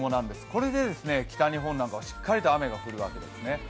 これで北日本なんかはしっかりと雨が降るわけですね。